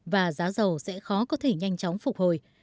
và giá dầu sẽ khó có thể nhanh chóng phục hồi